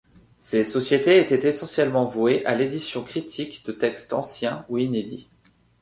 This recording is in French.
Ces sociétés étaient essentiellement vouées à l'édition critique de textes anciens ou inédits.